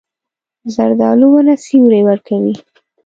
زردالو ونه سیوری ورکوي.